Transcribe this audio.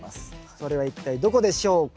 それは一体どこでしょうか？